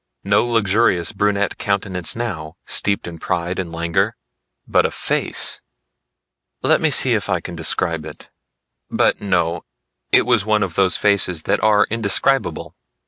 No luxurious brunette countenance now, steeped in pride and languor, but a face Let me see if I can describe it. But no, it was one of those faces that are indescribable.